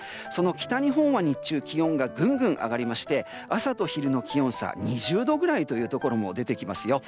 北日本は日中気温がぐんぐん上がりまして朝と昼の気温差が２０度というところも出てきます。